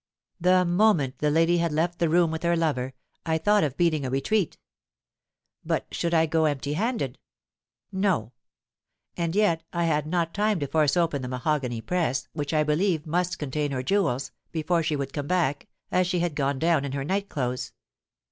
"The moment the lady had left the room with her lover, I thought of beating a retreat. But should I go empty handed? No: and yet I had not time to force open the mahogany press, which I believed must contain her jewels, before she would come back, as she had gone down in her night clothes.